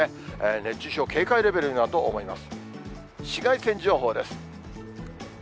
熱中症警戒レベルになると思います。